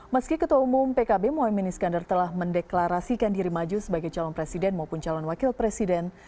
meski ketua umum pkb mohaimin iskandar telah mendeklarasikan diri maju sebagai calon presiden maupun calon wakil presiden